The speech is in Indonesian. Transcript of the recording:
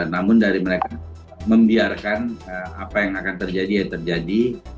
namun dari mereka membiarkan apa yang akan terjadi ya terjadi